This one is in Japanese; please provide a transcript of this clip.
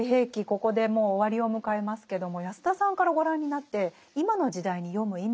ここでもう終わりを迎えますけども安田さんからご覧になって今の時代に読む意味というのはどうお考えですか？